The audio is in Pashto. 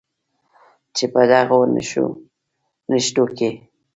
چې په دغو نښتو کې